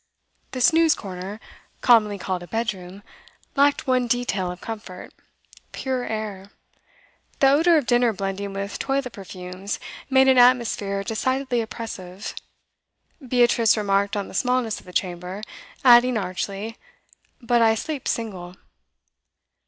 The snooze corner, commonly called a bedroom, lacked one detail of comfort pure air. The odour of dinner blending with toilet perfumes made an atmosphere decidedly oppressive. Beatrice remarked on the smallness of the chamber, adding archly, 'But I sleep single.